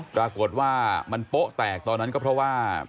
ปรากฏว่ามันโป๊ะแตกตอนนั้นก็เพราะว่า